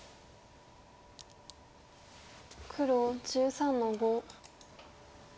黒１３の五。